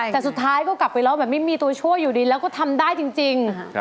แต่สุดท้ายก็กลับไปร้องแบบไม่มีตัวช่วยอยู่ดีแล้วก็ทำได้จริง